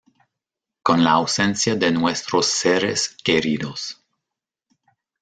con la ausencia de nuestros seres queridos